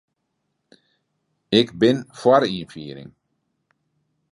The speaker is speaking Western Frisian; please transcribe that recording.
Ik bin foar ynfiering.